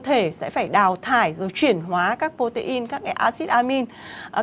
cơ thể sẽ phải đào thải rồi chuyển hóa các protein các cái acid amine